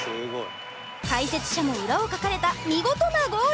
解説者も裏をかかれた見事なゴール。